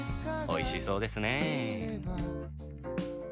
美味しそうですね。